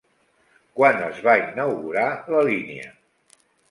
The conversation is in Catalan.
Quan es va inaugurar la línia?